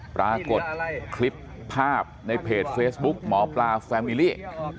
ปรากฏคลิปภาพในเพจเฟซบุ๊กหมอปลาแฟมิลี่